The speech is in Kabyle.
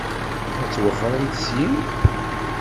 Ad twexxṛemt syin?